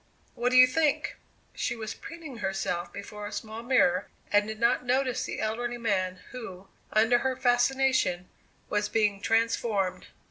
What do you think?" She was preening herself before a small mirror and did not notice the elderly man, who, under her fascination, was being transformed.